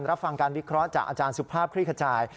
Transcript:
รับฟังการวิเคราะห์จากอาจารย์สุภาพคลี่ขจาย